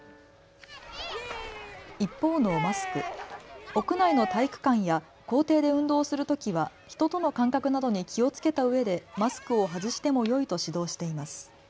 一方のマスク、屋内の体育館や校庭で運動するときは人との間隔などに気をつけたうえでマスクを外してもよいと指導しています。